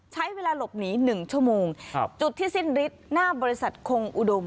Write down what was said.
ใช้เวลาหลบหนี๑ชั่วโมงจุดที่สิ้นฤทธิ์หน้าบริษัทคงอุดม